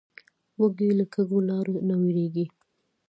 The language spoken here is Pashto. وزې له کږو لارو نه وېرېږي